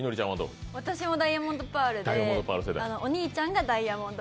私もダイヤモンドパールで、お兄ちゃんが「ダイヤモンド」